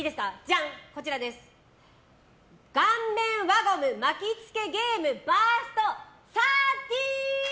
顔面輪ゴム巻きつけゲームバースト１３！